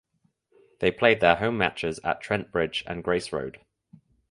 They played their home matches at Trent Bridge and Grace Road.